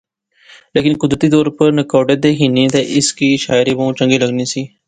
لیکن قدرتی طور پر نکوٹے تھی ہنی اس کی شاعری بہوں چنگی لغنی سی